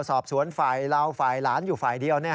สอบสวนฝ่ายเราฝ่ายหลานอยู่ฝ่ายเดียว